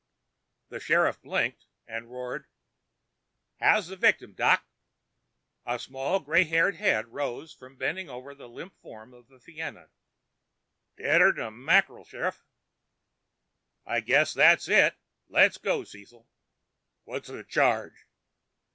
The sheriff blinked, turned to roar, "How's the victim, Doc?" A small gray head rose from bending over the limp form of the Fianna. "Deader'n a mackerel, Sheriff." "I guess that's it. Let's go, Cecil." "What's the charge?"